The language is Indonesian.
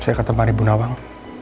saya ketemu hari bu nawang